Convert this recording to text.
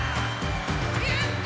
やった！